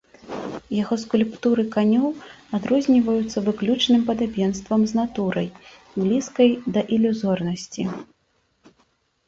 Яго скульптуры канёў адрозніваюцца выключным падабенствам з натурай, блізкай да ілюзорнасці.